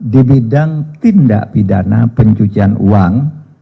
di bidang tindak pidana pencucian uang